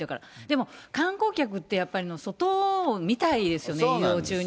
でも観光客ってやっぱり、外を見たいですよね、移動中に。